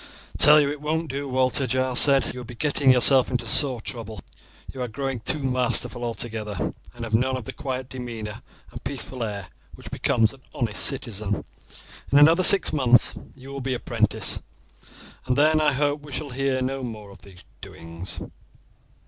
"I tell you it won't do, Walter," Giles said. "You will be getting yourself into sore trouble. You are growing too masterful altogether, and have none of the quiet demeanour and peaceful air which becomes an honest citizen. In another six months you will be apprenticed, and then I hope we shall hear no more of these doings."